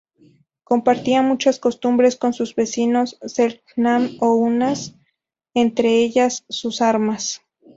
Compartían muchas costumbres con sus vecinos selknam u onas, entre ellas sus armas.